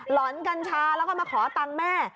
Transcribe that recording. หอนกัญชาแล้วก็มาขอตังค์แม่